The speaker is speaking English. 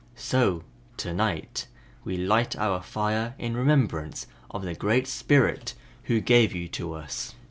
So (to night) we light our fire in remembrance of the Great Spirit who gave you to us."